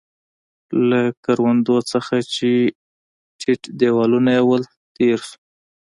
له کروندو نه چې ټیټ دیوالونه يې ول، تېر شوو.